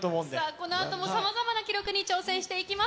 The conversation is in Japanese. このあともさまざまな記録に挑戦していきます。